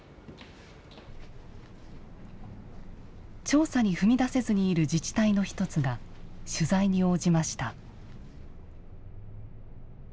調査に踏み出せずにいる自治体の一つが取材に応じました。